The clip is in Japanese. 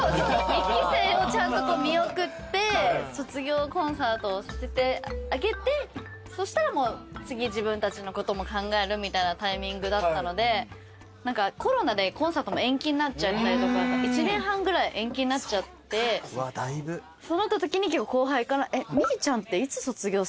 １期生をちゃんと見送って卒業コンサートをさせてあげてそうしたらもう次自分たちのことも考えるみたいなタイミングだったのでコロナでコンサートも延期になっちゃったりとか１年半ぐらい延期になっちゃってそうなったときに後輩から。